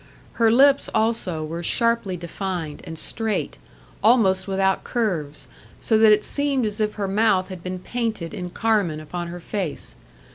Her lips also were sharply defined, and straight, almost without curves, so that it seemed as if her mouth had been painted in carmine upon her face.